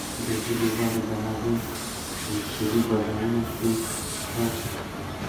د ژبې وده د هغې د کلتوري بډاینه کې مرسته کوي.